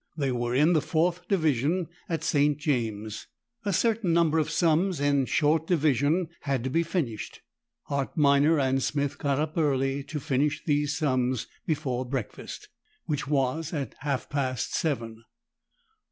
They were in the fourth division at St. James's. A certain number of sums in short division had to be finished. Hart Minor and Smith got up early to finish these sums before breakfast, which was at half past seven.